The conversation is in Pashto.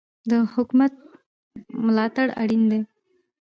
د حکومت ملاتړ اړین دی.